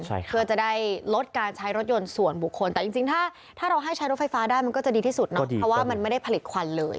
เพื่อจะได้ลดการใช้รถยนต์ส่วนบุคคลแต่จริงจริงถ้าถ้าเราให้ใช้รถไฟฟ้าได้มันก็จะดีที่สุดเนาะเพราะว่ามันไม่ได้ผลิตควันเลย